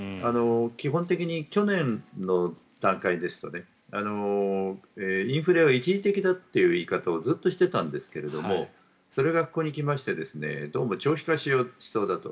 基本的に去年の段階ですとインフレは一時的だという言い方をずっとしていたんですけどそれがここに来ましてどうも長期化しそうだと。